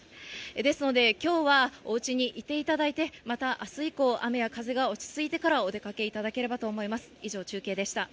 ですので、きょうはおうちにいていただいて、またあす以降、雨や風が落ち着いてから、お出かけいただければと思います。